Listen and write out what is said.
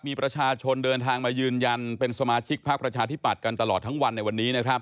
มีประชาชนเดินทางมายืนยันเป็นสมาชิกพักประชาธิปัตย์กันตลอดทั้งวันในวันนี้นะครับ